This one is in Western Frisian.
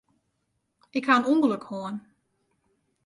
Ik ha in ûngelok hân.